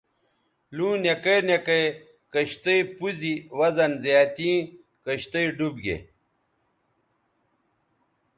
لُوں نکے نکے کشتئ پوز ی وزن زیاتیں کشتئ ڈوب گے